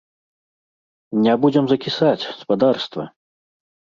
Не будзем закісаць, спадарства!